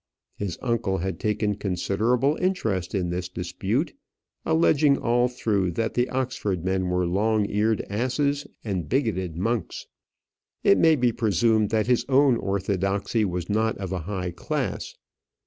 His uncle had taken considerable interest in this dispute, alleging all through that the Oxford men were long eared asses and bigoted monks. It may be presumed that his own orthodoxy was not of a high class.